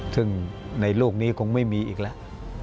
ซึ่งในโลกนี้คงไม่มีอีกแล้ว